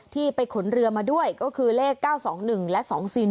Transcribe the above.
ที่ไปขนเรือมาด้วยก็คือเลข๙๒๑และ๒๔๑